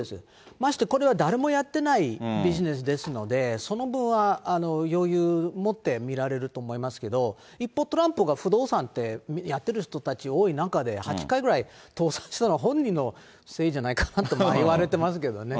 ましてこれは誰もやってないビジネスですので、その分は、余裕持って見られると思いますけど、一方、トランプが不動産って、やってる人たち多い中で、８回ぐらい倒産したのは、本人のせいじゃないかなと言われてますけどね。